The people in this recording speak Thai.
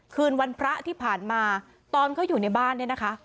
คืนวันพระที่ผ่านมาตอนเขาอยู่ในบ้านเนี่ยนะคะ